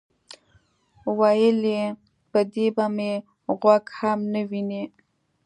ویل یې: په دې به مې غوږ هم نه وینئ.